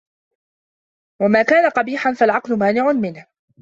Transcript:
وَمَا كَانَ قَبِيحًا فَالْعَقْلُ مَانِعٌ مِنْهُ